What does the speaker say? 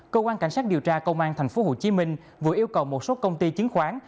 cơ quan cảnh sát điều tra công an tp hcm vừa yêu cầu một số công ty chứng khoán